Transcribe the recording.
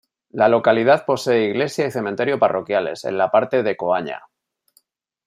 La localidad posee iglesia y cementerio parroquiales, en la parte de Coaña.